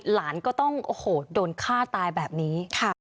หลานก็ต้องโอ้โหโดนฆ่าตายแบบนี้